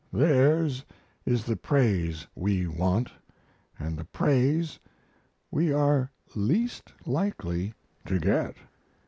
Theirs is the praise we want, and the praise we are least likely to get."